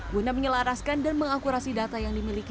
guna menyelaraskan dan mengakurasi data yang dimiliki